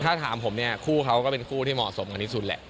ถ้าถามผมเนี่ยคู่เขาก็เป็นคู่ที่เหมาะสมกันที่สุดแหละ